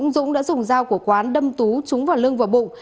dũng đã dùng dao của quán đâm tú trúng vào lưng và bụng